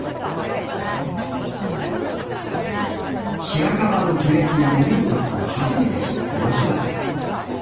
白樺の樹液が飲めることを初めて知った里さん。